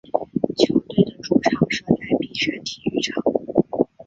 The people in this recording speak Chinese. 球队的主场设在碧山体育场。